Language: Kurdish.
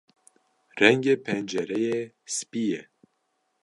Rengê pencereyê spî ye.